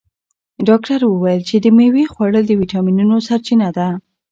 ډاکتر وویل چې د مېوې خوړل د ویټامینونو سرچینه ده.